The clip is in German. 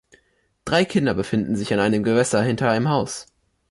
Drei Kinder befinden sich an einem Gewässer hinter einem Haus.